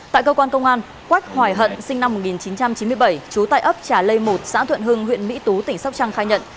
tại cơ quan công an quách hoài hận sinh năm một nghìn chín trăm chín mươi bảy trú tại ấp trà lây một xã thuận hưng huyện mỹ tú tỉnh sóc trăng khai nhận